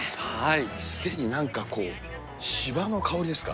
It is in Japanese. すでになんかこう、芝の香りですか。